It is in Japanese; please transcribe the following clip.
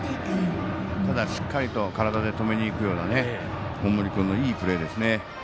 ただ、しっかりと体で止めにいくような大森君のいいプレーですね。